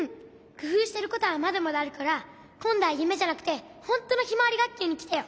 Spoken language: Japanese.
くふうしてることはまだまだあるからこんどはゆめじゃなくてほんとのひまわりがっきゅうにきてよ。